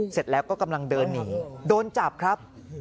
เสร็จแล้วก็กำลังเดินหนีโดนจับครับ